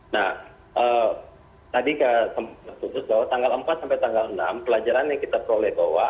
nah tadi khusus bahwa tanggal empat sampai tanggal enam pelajaran yang kita peroleh bahwa